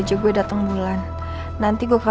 biar gua bisa nolak permintaan riki